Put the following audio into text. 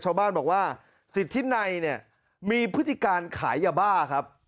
ชาวบ้านบอกว่าสิทธินัยเนี่ยมีพฤติการขายยาบ้าครับ